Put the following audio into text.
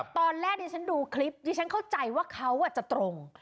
ตอนแรกที่ฉันดูคลิปที่ฉันเข้าใจว่าเขาจะตรง